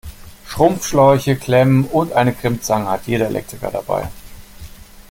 Schrumpfschläuche, Klemmen und eine Crimpzange hat jeder Elektriker dabei.